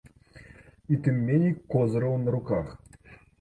І тым меней козыраў на руках.